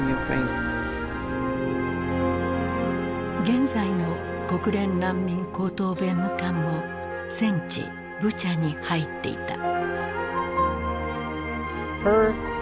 現在の国連難民高等弁務官も戦地ブチャに入っていた。